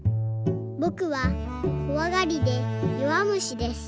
「ぼくはこわがりでよわむしです。